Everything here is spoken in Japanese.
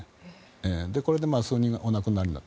これで数人がお亡くなりになった。